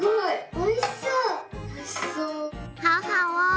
おいしそう」。